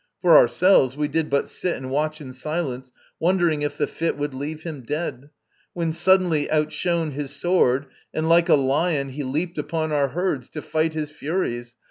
For ourselves, we did but sit And watch in silence, wondering if the fit Would leave him dead. When suddenly out shone His sword, and like a lion he leaped upon Our herds, to fight his Furies!